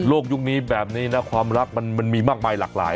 ยุคนี้แบบนี้นะความรักมันมีมากมายหลากหลาย